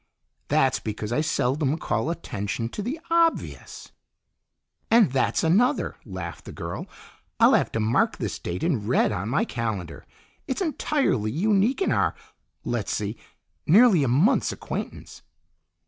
"That's because I seldom call attention to the obvious." "And that's another," laughed the girl. "I'll have to mark this date in red on my calendar. It's entirely unique in our let's see nearly a month's acquaintance."